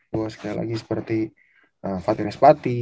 gue sekali lagi seperti fatih respati